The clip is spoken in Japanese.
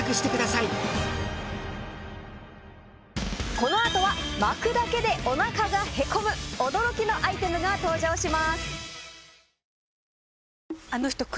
この後は巻くだけでおなかがへこむ驚きのアイテムが登場します。